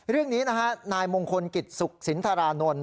เรื่องนี้นะฮะนายมงคลกิจสุขสินทรานนท์